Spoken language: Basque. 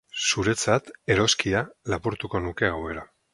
zuretzat, eroskia, lapurtuko nuke gauero